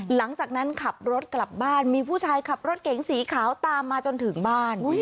หลังจากนั้นขับรถกลับบ้านมีผู้ชายขับรถเก๋งสีขาวตามมาจนถึงบ้าน